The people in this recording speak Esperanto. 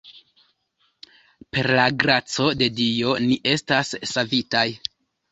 Per la graco de Dio, ni estas savitaj.